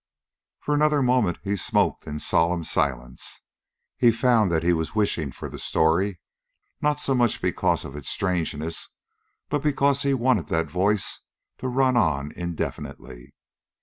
For another moment he smoked in solemn silence. He found that he was wishing for the story not so much because of its strangeness, but because he wanted that voice to run on indefinitely.